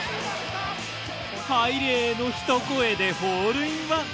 「入れ！」のひと声でホールインワン！